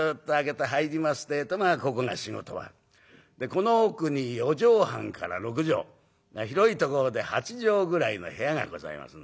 この奥に四畳半から六畳広いところで八畳ぐらいの部屋がございます。